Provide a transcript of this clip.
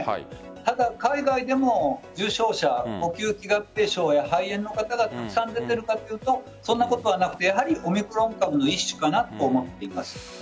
ただ、海外でも重症者呼吸器合併症や肺炎の方がたくさん出ているかというとそんなことはなくてやはりオミクロン株の一種かなと思っています。